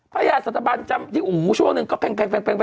พญาสตบันจำที่อู๋ช่วงหนึ่งก็แพง